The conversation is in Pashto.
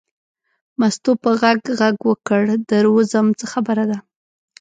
مستو په غږ غږ وکړ در وځم څه خبره ده.